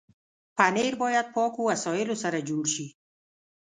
پنېر باید پاکو وسایلو سره جوړ شي.